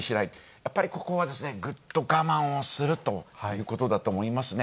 やっぱりここはぐっと我慢をするということだと思いますね。